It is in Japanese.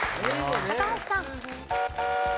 高橋さん。